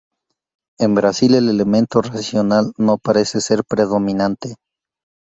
En Brasil, el elemento racional no parece ser predominante.